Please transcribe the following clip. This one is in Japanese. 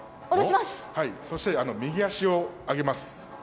そして右足を上げます。